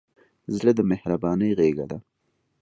زړه د مهربانۍ غېږه ده.